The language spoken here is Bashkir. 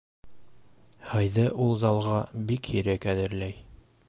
Һыйҙы ул залға бик һирәк әҙерләй.